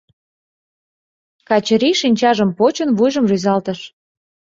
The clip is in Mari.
Качырий, шинчажым почын, вуйжым рӱзалтыш.